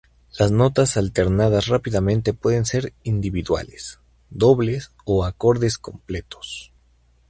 Las notas alternadas rápidamente pueden ser individuales, dobles o acordes completos.